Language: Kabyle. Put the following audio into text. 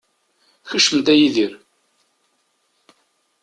Kcem-d, a Yidir.